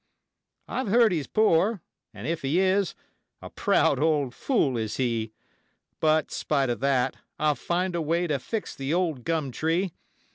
'I've heard he's poor, and if he is, a proud old fool is he; But, spite of that, I'll find a way to fix the old gum tree.